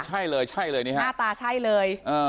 ใช่เลยใช่เลยนี่ฮะหน้าตาใช่เลย